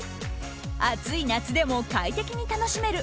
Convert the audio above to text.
暑い夏でも快適楽しめる